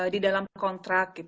di dalam kontrak